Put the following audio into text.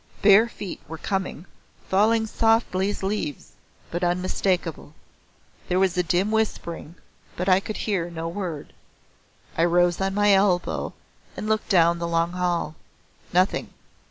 Bare feet were coming, falling softly as leaves, but unmistakable. There was a dim whispering but I could hear no word. I rose on my elbow and looked down the long hall. Nothing.